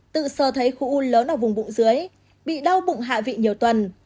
tự sơ thấy khu u lớn ở vùng bụng dưới bị đau bụng hạ vị nhiều tuần